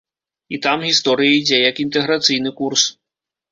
І там гісторыя ідзе як інтэграцыйны курс.